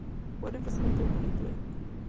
Fue reemplazado por Ronnie Platt.